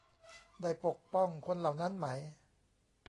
ได้ปกป้องคนเหล่านั้นไหม